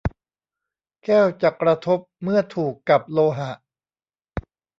แก้วจะกระทบเมื่อถูกกับโลหะ